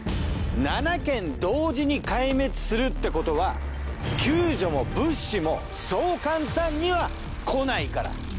７県同時に壊滅するってことは救助も物資もそう簡単には来ないから。